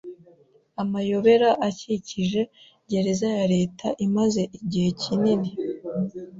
Amayobera akikije gereza ya leta imaze igihe kinini